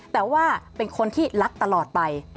แต่ว่าเป็นคนที่รักตลอดไป